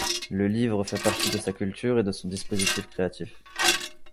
Le livre fait partie de sa culture et de son dispositif créatif.